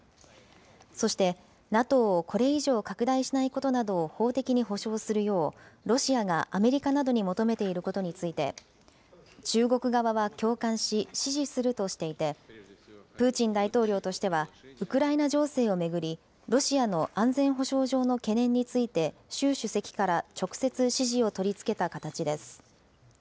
そして、ＮＡＴＯをこれ以上、拡大しないことなどを法的に保証するようロシアがアメリカなどに求めていることについて、中国側は共感し、支持するとしていて、プーチン大統領としてはウクライナ情勢を巡り、ロシアの安全保障上の懸念について、習主席から直接、支持を取り付けた形です。